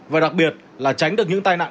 và đặc biệt là tránh được những tai nạn